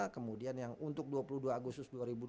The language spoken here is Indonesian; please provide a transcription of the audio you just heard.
kemudian yang untuk dua puluh dua agustus dua ribu dua puluh